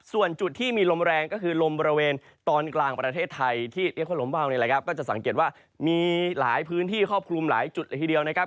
ส่วนจุดที่มีลมแรงก็คือลมบริเวณตอนกลางประเทศไทยที่เรียกว่าลมวาวนี่แหละครับก็จะสังเกตว่ามีหลายพื้นที่ครอบคลุมหลายจุดเลยทีเดียวนะครับ